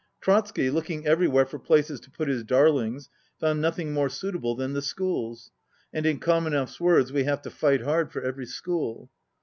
Trotsky, looking everywhere for places to put his darlings, found nothing more suitable than the schools; and, in Kamenev's words, "We have to fight hard for every school."